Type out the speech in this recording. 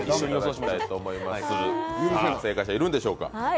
正解者いるんでしょうか。